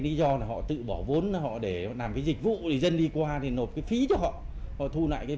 lý do là họ tự bỏ vốn họ để họ làm cái dịch vụ thì dân đi qua thì nộp cái phí cho họ họ thu lại cái